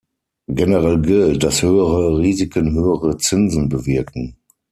Generell gilt, dass höhere Risiken höhere Zinsen bewirken.